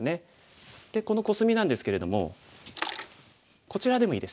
でこのコスミなんですけれどもこちらでもいいです。